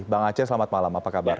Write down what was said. bang aceh selamat malam apa kabar